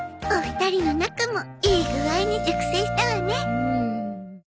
お二人の仲もいい具合に熟成したわね。